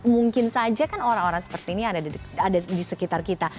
mungkin saja kan orang orang seperti ini ada di sekitar kita